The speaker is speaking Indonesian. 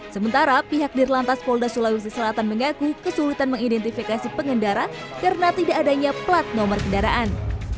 sementara pihak dirlantas polda sulawesi selatan mengaku kesulitan mengidentifikasi pengendara karena tidak adanya plat nomor kendaraan